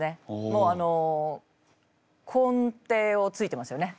もう根底をついてますよね。